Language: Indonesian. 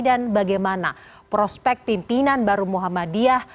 dan bagaimana prospek pimpinan baru muhammadiyah